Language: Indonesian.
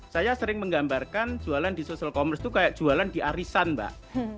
saya sering menggambarkan jualan di social commerce itu kayak jualan di arisan mbak